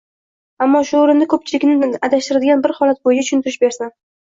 Ammo shu o‘rinda ko‘pchilikni adashtiradigan bir holat bo‘yicha tushuntirish bersam.